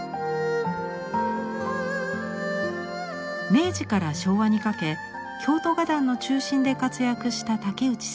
明治から昭和にかけ京都画壇の中心で活躍した竹内栖鳳。